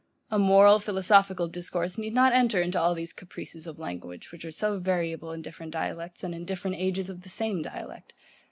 A moral, philosophical discourse needs not enter into all these caprices of language, which are so variable in different dialects, and in different ages of the same dialect.